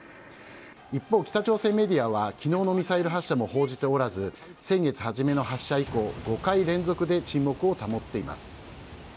一方、北朝鮮メディアはきのうのミサイル発射も報じておらず、先月初めの発射以降、５回連続で沈黙を保っています。